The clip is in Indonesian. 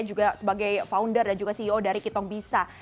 juga sebagai founder dan juga ceo dari kitong bisa